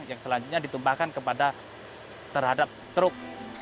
yang selanjutnya ditumpahkan kepada terhadap truk